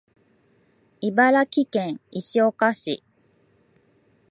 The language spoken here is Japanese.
茨城県石岡市